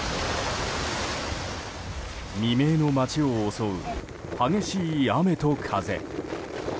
未明の街を襲う激しい雨と風。